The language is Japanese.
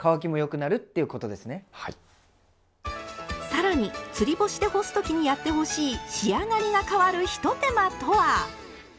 更に「つり干し」で干す時にやってほしい仕上がりが変わるひと手間とは！